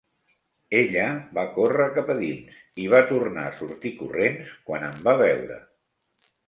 Ella va córrer cap a dins, i va tornar a sortir corrents quan em va veure.